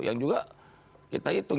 yang juga kita hitung